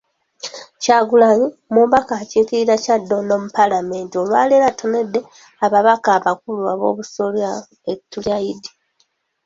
Kyagulanyi, omubaka akiikirira Kyaddondo mu Paalamenti olwaleero atonedde abataka abakulu ab'obusolya ettu lya Eid.